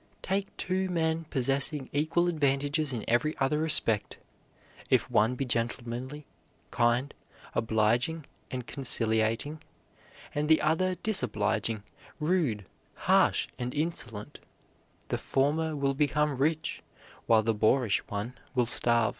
Take two men possessing equal advantages in every other respect; if one be gentlemanly, kind, obliging, and conciliating, and the other disobliging, rude, harsh, and insolent, the former will become rich while the boorish one will starve.